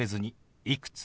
「いくつ？」。